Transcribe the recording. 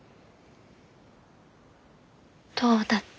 どうだった？